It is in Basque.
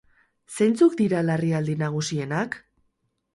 Zeintzuk dira larrialdi nagusienak?